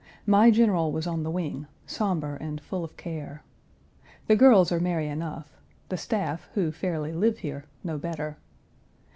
My General was on the wing, somber, and full of care. The girls are merry enough; the staff, who fairly live here, no better.